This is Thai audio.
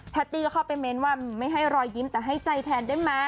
ตี้ก็เข้าไปเม้นว่าไม่ให้รอยยิ้มแต่ให้ใจแทนได้ไหม